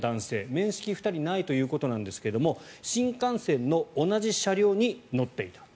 面識は２人はないということなんですが新幹線の同じ車両に乗っていた。